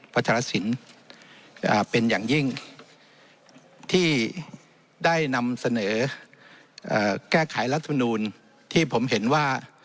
รัฐสินเป็นอย่างยิ่งที่ได้นำเสนอแก้ไขรัฐมนูลที่ผมเห็นว่า